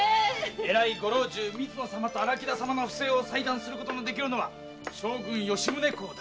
偉いご老中・水野様と荒木田様の不正を裁断することのできるのは将軍・吉宗公だけです。